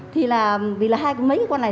thì là vì là hai cái mấy cái con này